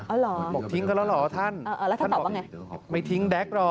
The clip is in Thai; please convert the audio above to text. อ้อหรอบอกทิ้งเขาแล้วหรอ